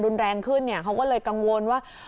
รุนแรงขึ้นเนี่ยเขาก็เลยกังวลว่า